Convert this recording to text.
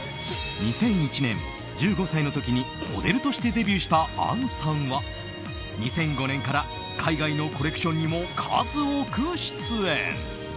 ２００１年、１５歳の時にモデルとしてデビューした杏さんは２００５年から海外のコレクションにも数多く出演。